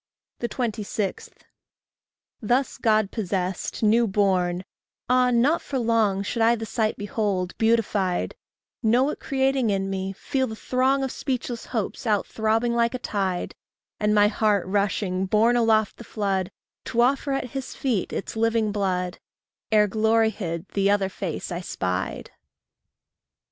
26. Thus God possessed, new born, ah, not for long Should I the sight behold, beatified, Know it creating in me, feel the throng Of speechless hopes out throbbing like a tide, And my heart rushing, borne aloft the flood, To offer at his feet its living blood Ere, glory hid, the other face I spied.